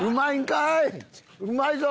うまいぞ！